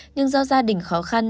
nhưng do gia đình khó khăn